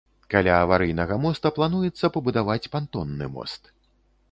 Каля аварыйнага моста плануецца пабудаваць пантонны мост.